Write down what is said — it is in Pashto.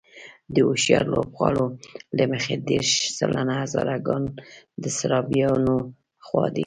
د هوښیارو لوبغاړو له مخې دېرش سلنه هزاره ګان د سرابيانو خوا دي.